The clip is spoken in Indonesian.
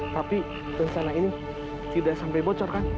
tapi rencana ini tidak sampai bocor kan